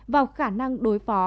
vào khả năng đối phó